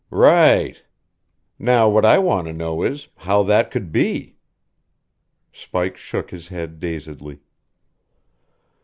"Right! Now what I want to know is how that could be." Spike shook his head dazedly.